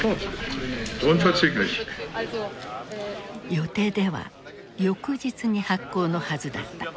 予定では翌日に発効のはずだった。